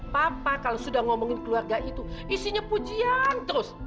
papa kalau sudah ngomongin keluarga itu isinya pujian terus